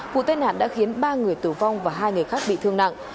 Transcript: vụ tai nạn đã khiến ba người tử vong và hai người khác bị thương nặng